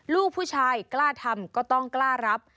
ลูกผู้ชายกล้าทำก็ต้องกล้ารับ